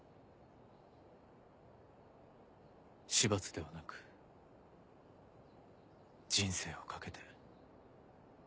死罰ではなく人生を懸けて。